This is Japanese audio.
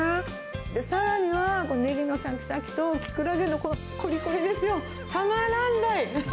さらには、このネギのしゃきしゃきと、キクラゲのこのこりこりですよ。たまらんばい！